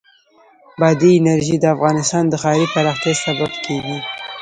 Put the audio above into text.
بادي انرژي د افغانستان د ښاري پراختیا سبب کېږي.